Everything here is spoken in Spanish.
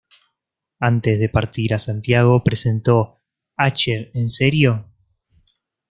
Antes de partir a Santiago presentó "¿Acher en serio?